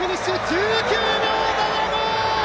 １９秒７５！